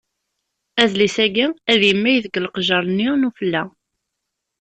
Adlis-ayi ad yemmag deg leqjer-nni n ufella.